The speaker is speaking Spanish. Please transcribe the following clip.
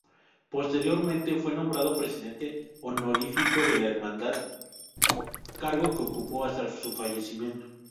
Posteriormente fue nombrado "Presidente honorífico" de la hermandad, cargo que ocupó hasta su fallecimiento.